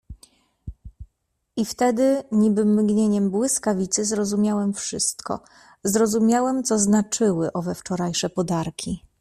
"I wtedy, niby mgnieniem błyskawicy, zrozumiałem wszystko, zrozumiałem, co znaczyły owe wczorajsze podarki."